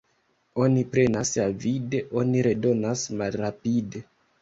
Oni prenas avide, oni redonas malrapide.